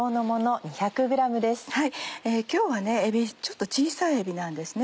今日はえびちょっと小さいえびなんですね。